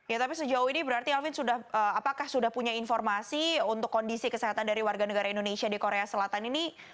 ya tapi sejauh ini berarti alvin apakah sudah punya informasi untuk kondisi kesehatan dari warga negara indonesia di korea selatan ini